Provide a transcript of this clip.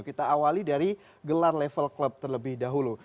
kita awali dari gelar level klub terlebih dahulu